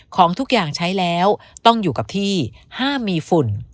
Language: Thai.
ของทุกอย่างใช้แล้วต้องอยู่กับที่ห้ามมีฝุ่น